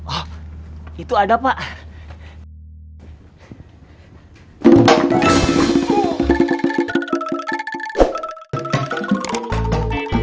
oh itu ada pak